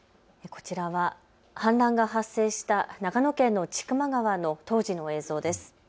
こちらは氾濫が発生した長野県の千曲川の当時の映像です。